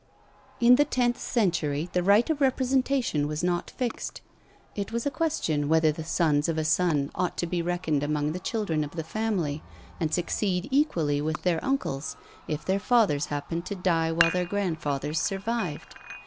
In the tenth century the right of representation was not fixed: it was a question whether the sons of a son ought to be reckoned among the children of the family, and succeed equally with their uncles, if their fathers happened to die while their grandfathers survived.